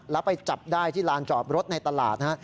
แล้วไปจับได้ที่ลานจอบรถในตลาดนะฮะ